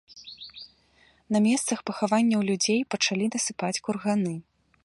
На месцах пахаванняў людзей пачалі насыпаць курганы.